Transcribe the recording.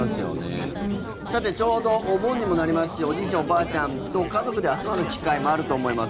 さてちょうどお盆にもなりますしおじいちゃん、おばあちゃんと家族で集まる機会もあると思います。